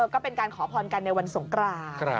ก็เป็นการขอพรกันในวันสงกราน